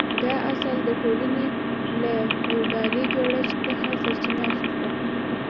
دا اصل د ټولنې له فیوډالي جوړښت څخه سرچینه اخیسته.